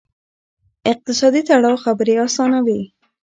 اقتصادي تړاو خبرې آسانوي.